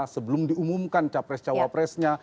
sebelum diumumkan cawapres cawapresnya